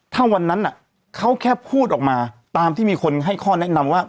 ถ้าวันนั้นเขาแค่พูดออกมาตามที่มีคนให้ข้อแนะนำว่า